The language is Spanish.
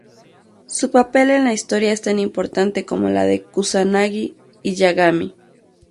Su papel en la historia es tan importante como la de Kusanagi y Yagami.